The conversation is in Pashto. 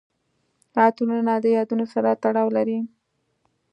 عطرونه د یادونو سره تړاو لري.